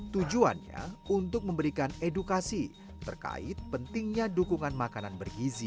tujuannya untuk memberikan edukasi terkait pentingnya dukungan makanan bergizi